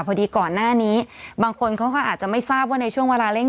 พอดีก่อนหน้านี้บางคนเขาก็อาจจะไม่ทราบว่าในช่วงเวลาเร่ง